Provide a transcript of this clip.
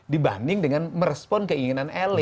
dibanding dengan merespon keinginan elit